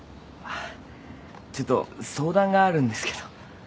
あっちょっと相談があるんですけど。